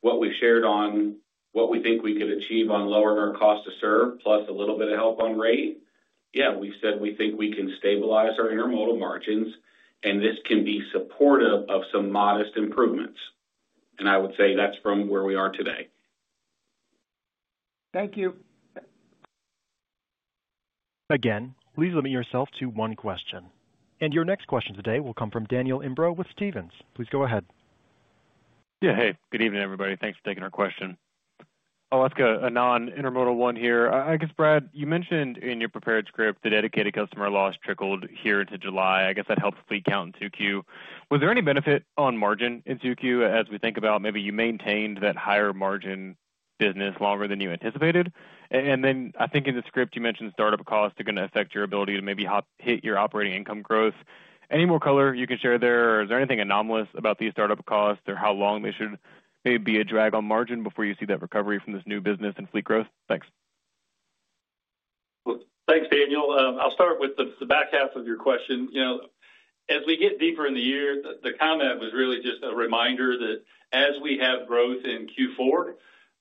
what we have shared on what we think we could achieve on lowering our cost to serve, plus a little bit of help on rate, yeah, we have said we think we can stabilize our Intermodal margins, and this can be supportive of some modest improvements. I would say that is from where we are today. Thank you. Again, please limit yourself to one question. Your next question today will come from Daniel Imbro with Stephens. Please go ahead. Yeah. Hey, good evening, everybody. Thanks for taking our question. Oh, let's go a non-Intermodal one here. I guess, Brad, you mentioned in your prepared script the dedicated customer loss trickled here into July. I guess that helps if we count in 2Q. Was there any benefit on margin in 2Q as we think about maybe you maintained that higher margin business longer than you anticipated? And then I think in the script, you mentioned startup costs are going to affect your ability to maybe hit your operating income growth. Any more color you can share there, or is there anything anomalous about these startup costs or how long they should maybe be a drag on margin before you see that recovery from this new business and fleet growth? Thanks. Thanks, Daniel. I'll start with the back half of your question. As we get deeper in the year, the comment was really just a reminder that as we have growth in Q4,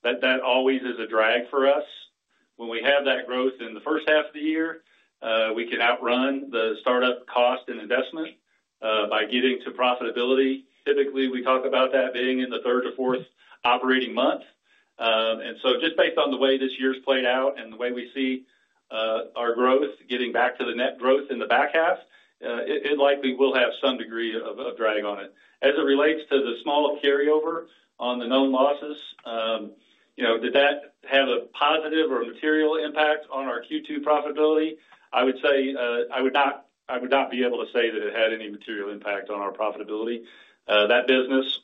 that always is a drag for us. When we have that growth in the first half of the year, we can outrun the startup cost and investment by getting to profitability. Typically, we talk about that being in the third or fourth operating month. And so just based on the way this year's played out and the way we see our growth getting back to the net growth in the back half, it likely will have some degree of drag on it. As it relates to the small carryover on the known losses, did that have a positive or material impact on our Q2 profitability? I would say I would not be able to say that it had any material impact on our profitability. That business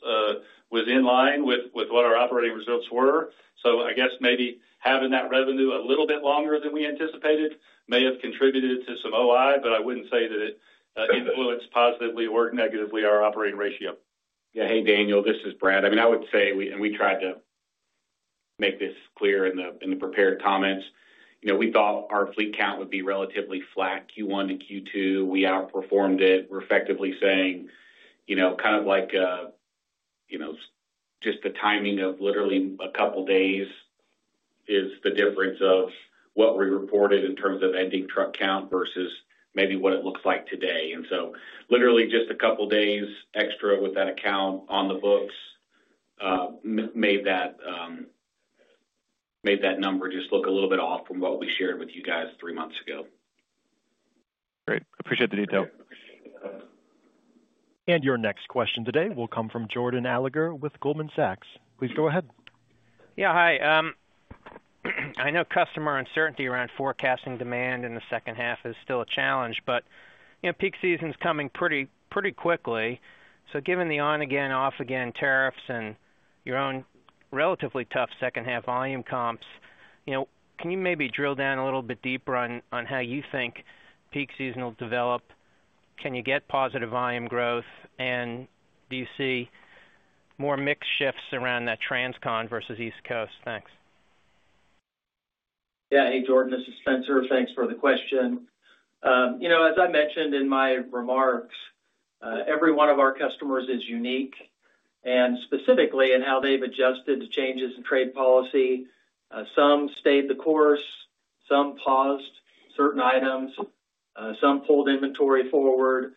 was in line with what our operating results were. I guess maybe having that revenue a little bit longer than we anticipated may have contributed to some OI, but I would not say that it influenced positively or negatively our operating ratio. Yeah. Hey, Daniel, this is Brad. I mean, I would say, and we tried to make this clear in the prepared comments, we thought our fleet count would be relatively flat Q1 to Q2. We outperformed it. We're effectively saying kind of like just the timing of literally a couple of days is the difference of what we reported in terms of ending truck count versus maybe what it looks like today. And so literally just a couple of days extra with that account on the books made that number just look a little bit off from what we shared with you guys three months ago. Great. Appreciate the detail. Your next question today will come from Jordan Alliger with Goldman Sachs. Please go ahead. Yeah. Hi. I know customer uncertainty around forecasting demand in the second half is still a challenge, but peak season's coming pretty quickly. Given the on-again, off-again tariffs and your own relatively tough second-half volume comps, can you maybe drill down a little bit deeper on how you think peak season will develop? Can you get positive volume growth? Do you see more mixed shifts around that Transcon versus East Coast? Thanks. Yeah. Hey, Jordan, this is Spencer. Thanks for the question. As I mentioned in my remarks, every one of our customers is unique. And specifically in how they've adjusted to changes in trade policy. Some stayed the course. Some paused certain items. Some pulled inventory forward.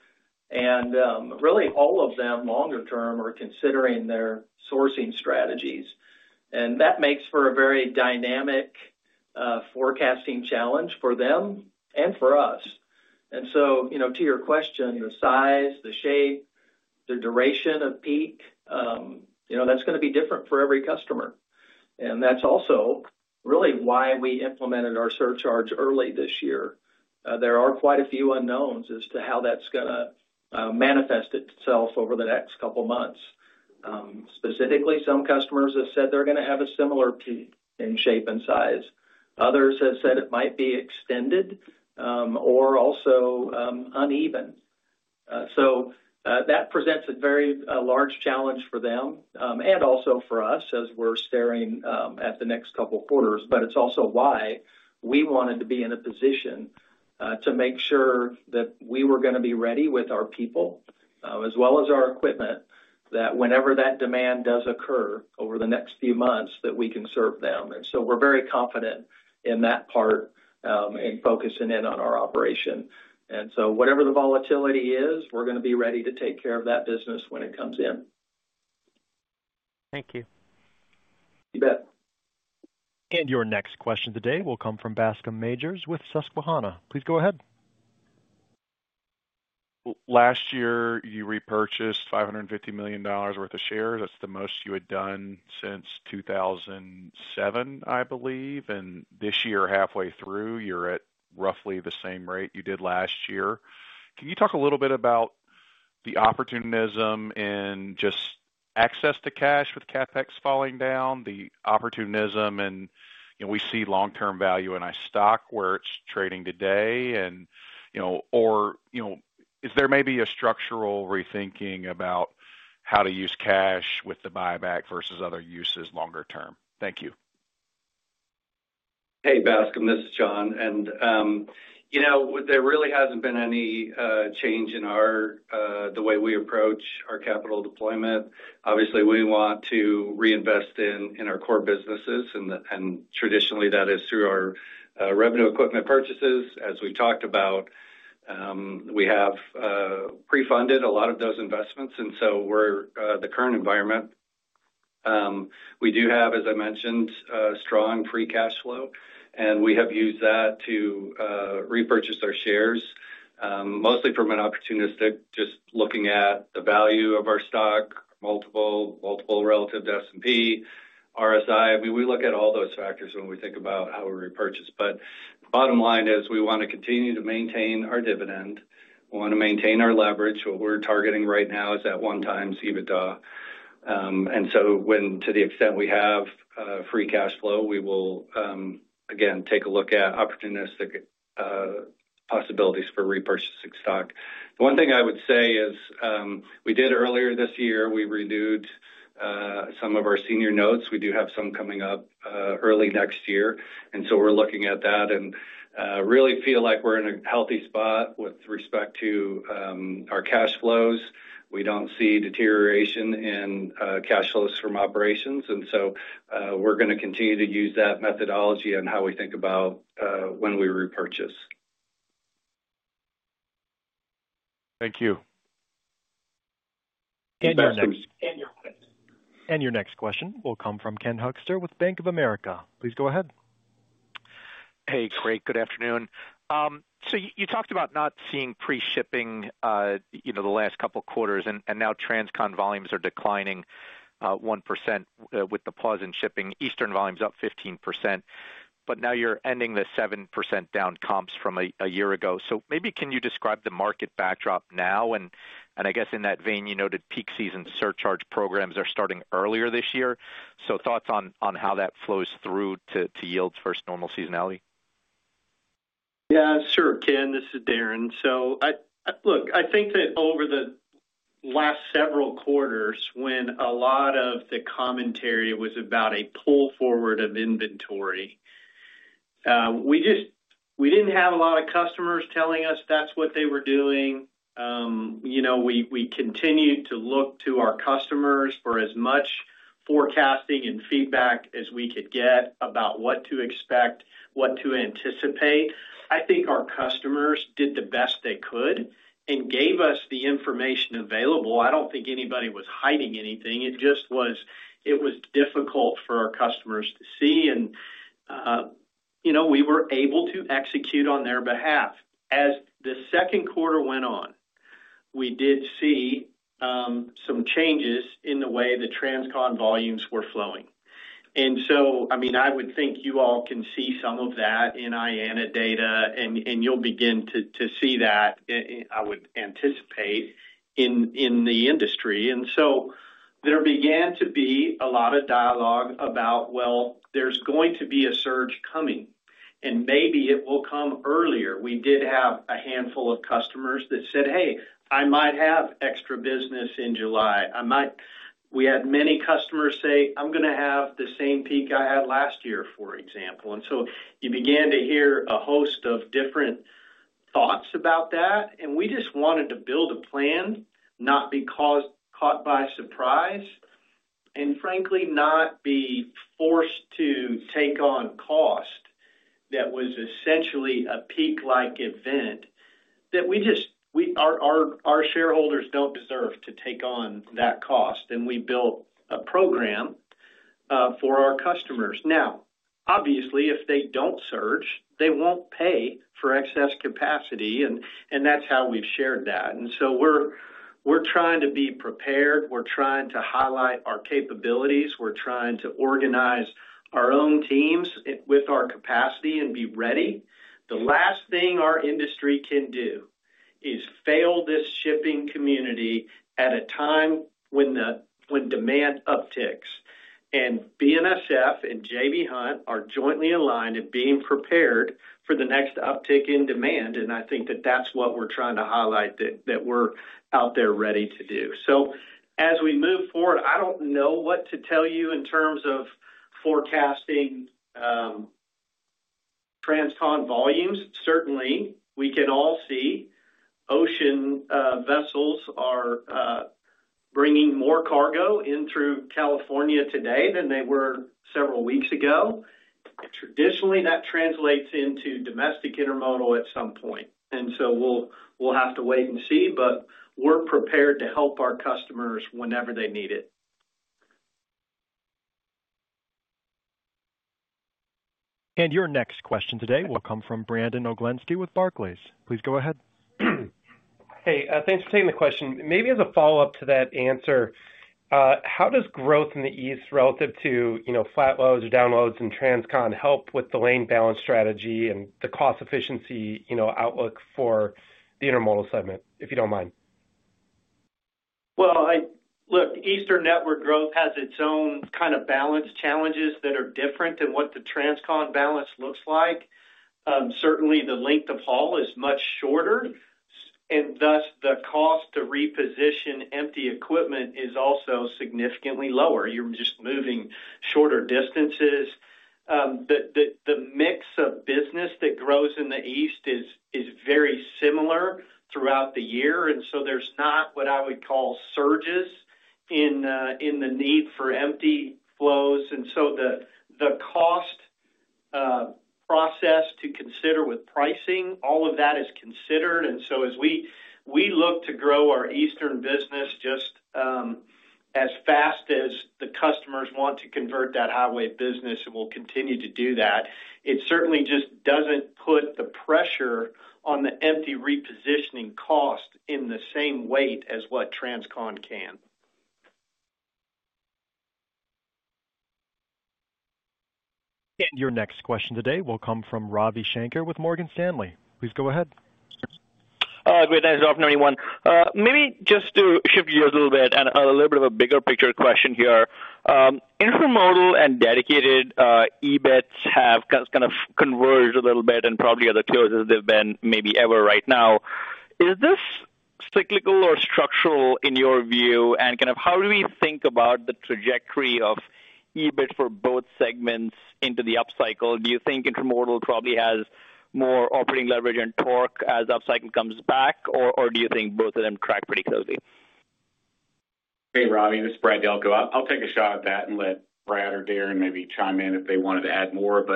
And really, all of them longer term are considering their sourcing strategies. That makes for a very dynamic forecasting challenge for them and for us. To your question, the size, the shape, the duration of peak. That's going to be different for every customer. That's also really why we implemented our surcharge early this year. There are quite a few unknowns as to how that's going to manifest itself over the next couple of months. Specifically, some customers have said they're going to have a similar peak in shape and size. Others have said it might be extended. Or also. Uneven. That presents a very large challenge for them and also for us as we're staring at the next couple of quarters. It is also why we wanted to be in a position to make sure that we were going to be ready with our people as well as our equipment, that whenever that demand does occur over the next few months, we can serve them. We are very confident in that part and focusing in on our operation. Whatever the volatility is, we are going to be ready to take care of that business when it comes in. Thank you. You bet. Your next question today will come from Bascome Majors with Susquehanna. Please go ahead. Last year, you repurchased $550 million worth of shares. That's the most you had done since 2007, I believe. This year, halfway through, you're at roughly the same rate you did last year. Can you talk a little bit about the opportunism and just access to cash with CapEx falling down, the opportunism and we see long-term value in a stock where it's trading today? Is there maybe a structural rethinking about how to use cash with the buyback versus other uses longer term? Thank you. Hey, Bascom. This is John. There really hasn't been any change in the way we approach our capital deployment. Obviously, we want to reinvest in our core businesses. Traditionally, that is through our revenue equipment purchases. As we've talked about, we have pre-funded a lot of those investments. In the current environment, we do have, as I mentioned, strong free cash flow. We have used that to repurchase our shares, mostly from an opportunistic just looking at the value of our stock, multiple relative to S&P, RSI. I mean, we look at all those factors when we think about how we repurchase. The bottom line is we want to continue to maintain our dividend. We want to maintain our leverage. What we're targeting right now is that one-time EBITDA. To the extent we have free cash flow, we will. Again, take a look at opportunistic possibilities for repurchasing stock. The one thing I would say is we did earlier this year, we renewed some of our senior notes. We do have some coming up early next year. We are looking at that and really feel like we are in a healthy spot with respect to our cash flows. We do not see deterioration in cash flows from operations. We are going to continue to use that methodology in how we think about when we repurchase. Thank you. Your next question will come from Ken Hoexter with Bank of America. Please go ahead. Hey. Good afternoon. You talked about not seeing pre-shipping the last couple of quarters, and now Transcon volumes are declining 1% with the pause in shipping. Eastern volumes up 15%. Now you're ending the 7% down comps from a year ago. Maybe can you describe the market backdrop now? I guess in that vein, you noted Peak Season Surcharge programs are starting earlier this year. Thoughts on how that flows through to yields versus normal seasonality? Yeah. Sure, Ken. This is Darren. So look, I think that over the last several quarters, when a lot of the commentary was about a pull forward of inventory, we did not have a lot of customers telling us that's what they were doing. We continued to look to our customers for as much forecasting and feedback as we could get about what to expect, what to anticipate. I think our customers did the best they could and gave us the information available. I do not think anybody was hiding anything. It was difficult for our customers to see. We were able to execute on their behalf. As the second quarter went on, we did see some changes in the way the Transcon volumes were flowing. I would think you all can see some of that in IANA data, and you'll begin to see that, I would anticipate. In the industry, there began to be a lot of dialogue about, well, there's going to be a surge coming, and maybe it will come earlier. We did have a handful of customers that said, "Hey, I might have extra business in July." We had many customers say, "I'm going to have the same peak I had last year," for example. You began to hear a host of different thoughts about that. We just wanted to build a plan, not be caught by surprise, and frankly, not be forced to take on cost that was essentially a peak-like event. Our shareholders do not deserve to take on that cost. We built a program for our customers. Now, obviously, if they do not surge, they will not pay for excess capacity. That is how we have shared that. We are trying to be prepared. We are trying to highlight our capabilities. We are trying to organize our own teams with our capacity and be ready. The last thing our industry can do is fail this shipping community at a time when demand upticks. BNSF and J.B. Hunt are jointly aligned at being prepared for the next uptick in demand. I think that is what we are trying to highlight, that we are out there ready to do. As we move forward, I do not know what to tell you in terms of forecasting Transcon volumes. Certainly, we can all see ocean vessels are bringing more cargo in through California today than they were several weeks ago. Traditionally, that translates into domestic intermodal at some point. We will have to wait and see, but we're prepared to help our customers whenever they need it. Your next question today will come from Brandon Oglenski with Barclays. Please go ahead. Hey, thanks for taking the question. Maybe as a follow-up to that answer, how does growth in the East relative to flat loads or downloads and Transcon help with the lane balance strategy and the cost efficiency outlook for the intermodal segment, if you do not mind? Look, Eastern network growth has its own kind of balance challenges that are different than what the Transcon balance looks like. Certainly, the length of haul is much shorter, and thus, the cost to reposition empty equipment is also significantly lower. You're just moving shorter distances. The mix of business that grows in the East is very similar throughout the year, and so there's not what I would call surges in the need for empty flows. The cost process to consider with pricing, all of that is considered. As we look to grow our Eastern business just as fast as the customers want to convert that highway business, and we'll continue to do that, it certainly just doesn't put the pressure on the empty repositioning cost in the same weight as what Transcon can. Your next question today will come from Ravi Shankar with Morgan Stanley. Please go ahead. Good afternoon, everyone. Maybe just to shift gears a little bit and a little bit of a bigger picture question here. Intermodal and dedicated EBITs have kind of converged a little bit and probably are the closest they've been maybe ever right now. Is this cyclical or structural in your view? And kind of how do we think about the trajectory of EBIT for both segments into the upcycle? Do you think intermodal probably has more operating leverage and torque as upcycle comes back, or do you think both of them track pretty closely? Hey, Ravi, this is Brad Delco. I'll take a shot at that and let Brad or Darren maybe chime in if they wanted to add more. It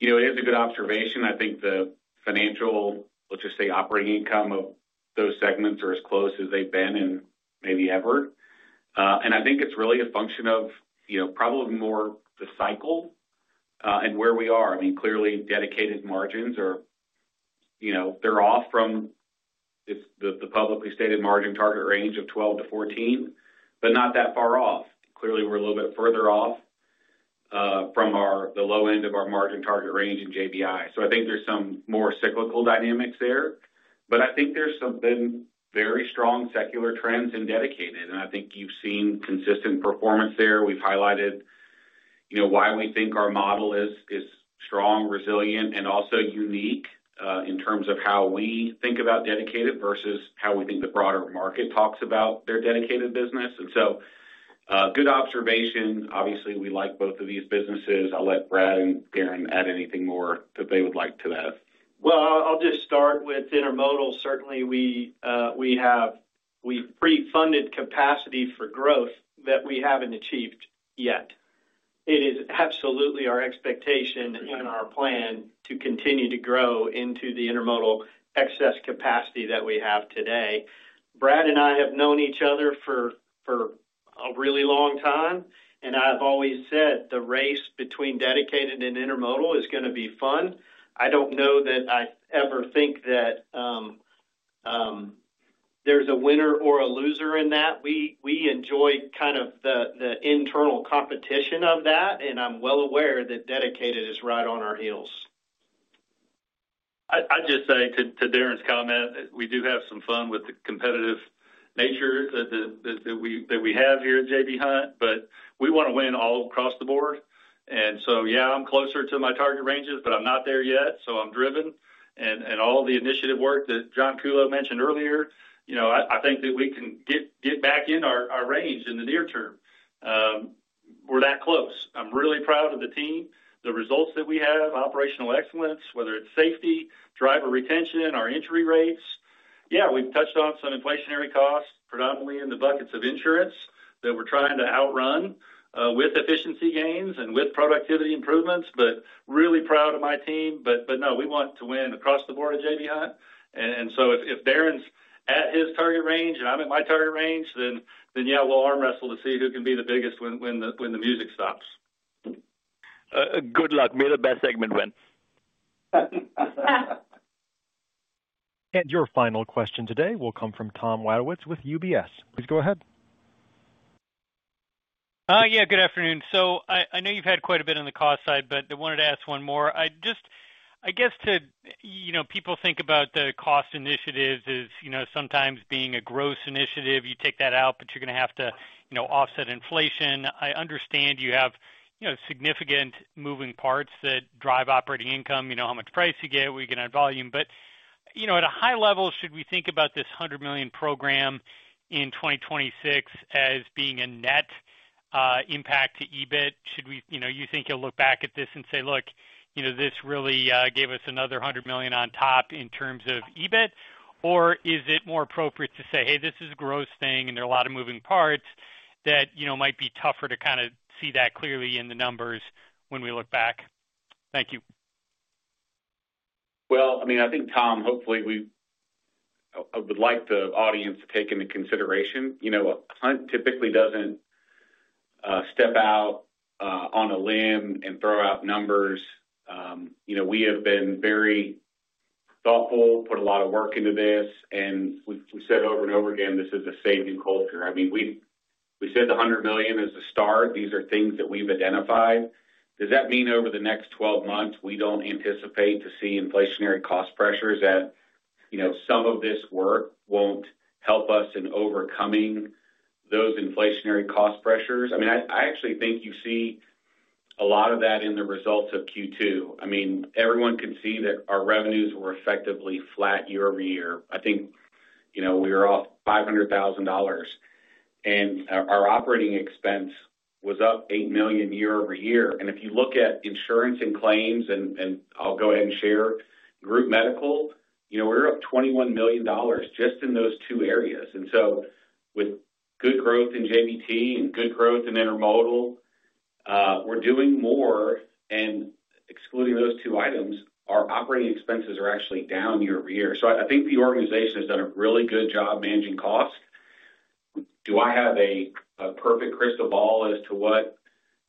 is a good observation. I think the financial, let's just say, operating income of those segments are as close as they've been and maybe ever. I think it's really a function of probably more the cycle and where we are. I mean, clearly, dedicated margins are off from the publicly stated margin target range of 12%-14%, but not that far off. Clearly, we're a little bit further off from the low end of our margin target range in JBI. I think there's some more cyclical dynamics there. I think there's some very strong secular trends in dedicated. I think you've seen consistent performance there. We've highlighted. Why we think our model is strong, resilient, and also unique in terms of how we think about dedicated versus how we think the broader market talks about their dedicated business. Good observation. Obviously, we like both of these businesses. I'll let Brad and Darren add anything more that they would like to add. I'll just start with intermodal. Certainly, we have pre-funded capacity for growth that we haven't achieved yet. It is absolutely our expectation and our plan to continue to grow into the intermodal excess capacity that we have today. Brad and I have known each other for a really long time. I've always said the race between dedicated and intermodal is going to be fun. I don't know that I ever think that there's a winner or a loser in that. We enjoy kind of the internal competition of that. I'm well aware that dedicated is right on our heels. I'd just say to Darren's comment, we do have some fun with the competitive nature that we have here at J.B. Hunt, but we want to win all across the board. Yeah, I'm closer to my target ranges, but I'm not there yet. I'm driven. All the initiative work that John Kuhlow mentioned earlier, I think that we can get back in our range in the near term. We're that close. I'm really proud of the team, the results that we have, operational excellence, whether it's safety, driver retention, our entry rates. Yeah, we've touched on some inflationary costs, predominantly in the buckets of insurance that we're trying to outrun with efficiency gains and with productivity improvements, but really proud of my team. No, we want to win across the board at J.B. Hunt. If Darren's at his target range and I'm at my target range, then yeah, we'll arm wrestle to see who can be the biggest when the music stops. Good luck. May the best segment win. Your final question today will come from Tom Wadewitz with UBS. Please go ahead. Yeah, good afternoon. I know you've had quite a bit on the cost side, but I wanted to ask one more. I guess people think about the cost initiatives as sometimes being a gross initiative. You take that out, but you're going to have to offset inflation. I understand you have significant moving parts that drive operating income, how much price you get, what you get on volume. At a high level, should we think about this $100 million program in 2026 as being a net impact to EBIT? You think you'll look back at this and say, "Look, this really gave us another $100 million on top in terms of EBIT"? Is it more appropriate to say, "Hey, this is a gross thing, and there are a lot of moving parts that might be tougher to kind of see that clearly in the numbers when we look back"? Thank you. I mean, I think, Tom, hopefully. I would like the audience to take into consideration. Hunt typically does not step out on a limb and throw out numbers. We have been very thoughtful, put a lot of work into this, and we have said over and over again, this is a safety culture. I mean, we said the $100 million is a start. These are things that we have identified. Does that mean over the next 12 months, we do not anticipate to see inflationary cost pressures that some of this work will not help us in overcoming those inflationary cost pressures? I mean, I actually think you see a lot of that in the results of Q2. I mean, everyone can see that our revenues were effectively flat year-over-year. I think we were off $500,000. And our operating expense was up $8 million year-over-year. If you look at insurance and claims, and I'll go ahead and share, group medical, we're up $21 million just in those two areas. With good growth in JBT and good growth in intermodal, we're doing more. Excluding those two items, our operating expenses are actually down year-over-year. I think the organization has done a really good job managing cost. Do I have a perfect crystal ball as to what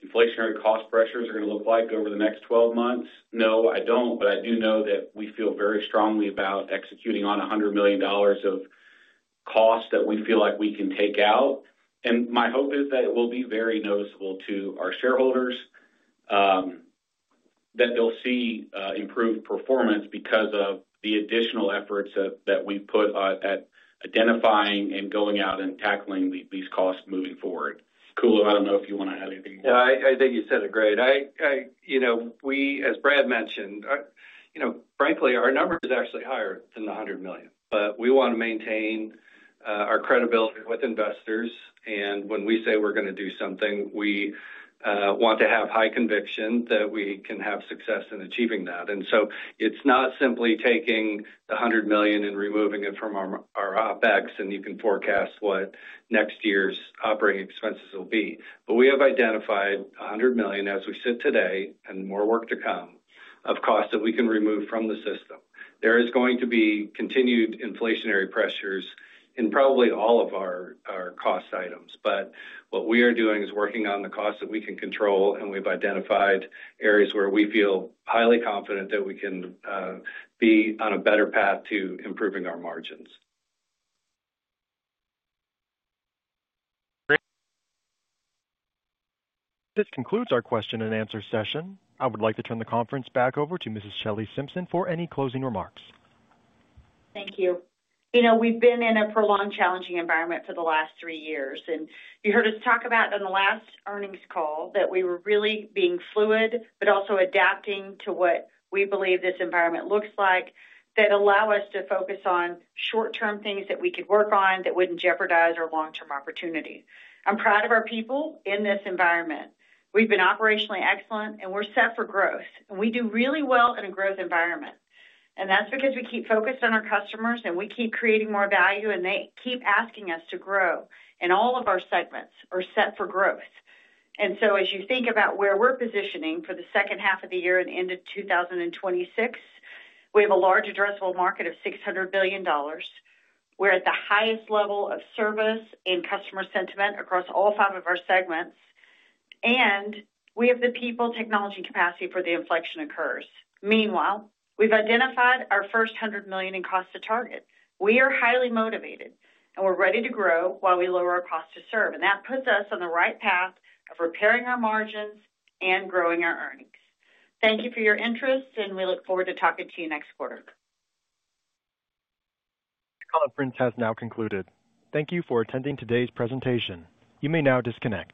inflationary cost pressures are going to look like over the next 12 months? No, I don't. I do know that we feel very strongly about executing on $100 million of cost that we feel like we can take out. My hope is that it will be very noticeable to our shareholders. That they'll see improved performance because of the additional efforts that we've put at identifying and going out and tackling these costs moving forward. Kuhlow, I don't know if you want to add anything more. Yeah, I think you said it great. As Brad mentioned. Frankly, our number is actually higher than the $100 million. We want to maintain our credibility with investors. When we say we're going to do something, we want to have high conviction that we can have success in achieving that. It is not simply taking the $100 million and removing it from our OpEx, and you can forecast what next year's operating expenses will be. We have identified $100 million as we sit today and more work to come of costs that we can remove from the system. There is going to be continued inflationary pressures in probably all of our cost items. What we are doing is working on the costs that we can control, and we've identified areas where we feel highly confident that we can. Be on a better path to improving our margins. This concludes our question and answer session. I would like to turn the conference back over to Mrs. Shelley Simpson for any closing remarks. Thank you. We've been in a prolonged, challenging environment for the last three years. You heard us talk about in the last earnings call that we were really being fluid, but also adapting to what we believe this environment looks like, that allow us to focus on short-term things that we could work on that would not jeopardize our long-term opportunity. I'm proud of our people in this environment. We've been operationally excellent, and we're set for growth. We do really well in a growth environment. That is because we keep focused on our customers, and we keep creating more value, and they keep asking us to grow. All of our segments are set for growth. As you think about where we're positioning for the second half of the year and end of 2026, we have a large addressable market of $600 billion. We're at the highest level of service and customer sentiment across all five of our segments. We have the people, technology, and capacity for the inflection occurs. Meanwhile, we've identified our first $100 million in cost to target. We are highly motivated, and we're ready to grow while we lower our cost to serve. That puts us on the right path of repairing our margins and growing our earnings. Thank you for your interest, and we look forward to talking to you next quarter. The conference has now concluded. Thank you for attending today's presentation. You may now disconnect.